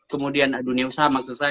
kemudian dunia usaha maksud saya